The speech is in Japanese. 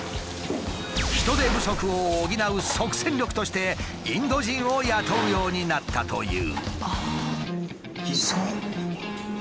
人手不足を補う即戦力としてインド人を雇うようになったという。